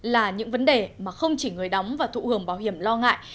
là những vấn đề mà không chỉ người đóng và thụ hưởng bảo hiểm lo ngại